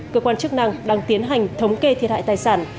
cơ quan chức năng đang tiến hành thống kê thiệt hại tài sản